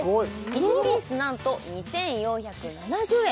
１ピースなんと２４７０円